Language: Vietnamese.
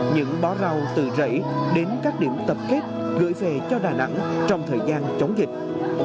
những bó rau từ rẫy đến các điểm tập kết gửi về cho đà nẵng trong thời gian chống dịch